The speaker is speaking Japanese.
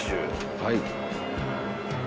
はい。